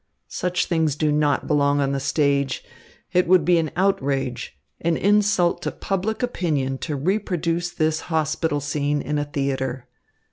Such things do not belong on the stage. It would be an outrage, an insult to public opinion to reproduce this hospital scene in a theatre.